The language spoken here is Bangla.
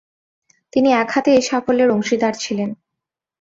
তিনি একহাতে এ সাফল্যের অংশীদার ছিলেন।